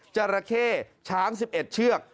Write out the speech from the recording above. จราเข้ช้าง๑๑เชือก